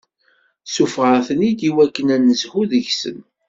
Ssufeɣ-aɣ-ten-id iwakken ad n-nezhu deg-sen.